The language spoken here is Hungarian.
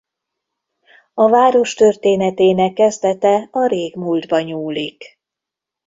A város történetének kezdete a régmúltba nyúlik.